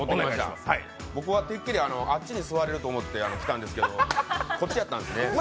僕はてっきりあっちに座れると思ってきたんですけどこっちだったんですね。